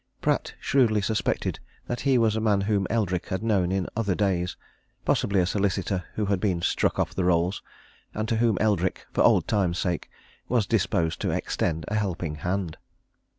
Pratt shrewdly suspected that he was a man whom Eldrick had known in other days, possibly a solicitor who had been struck off the rolls, and to whom Eldrick, for old times' sake, was disposed to extend a helping hand.